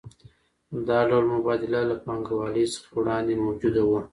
دا ډول مبادله له پانګوالۍ څخه وړاندې موجوده وه